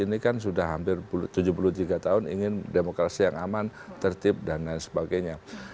ini kan sudah hampir tujuh puluh tiga tahun ingin demokrasi yang aman tertib dan lain sebagainya